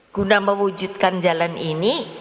guna mewujudkan jalan ini